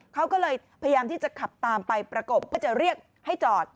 เขาก็เลยพยายามที่จะขับตามไปประกบเพื่อจะเรียกให้จอด